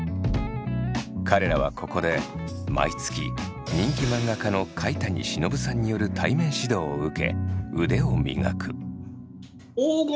彼らはここで毎月人気漫画家の甲斐谷忍さんによる対面指導を受け腕を磨く。